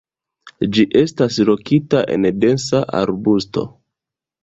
Ĝi estas lokita en densa arbusto.